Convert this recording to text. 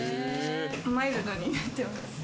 マイルドになってます。